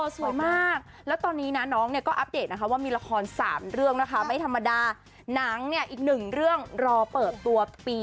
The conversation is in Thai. สวยขึ้นเป็นฟองหน้าออกหน้าใจว่าเป็นไง